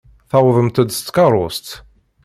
Tuwḍemt-d s tkeṛṛust.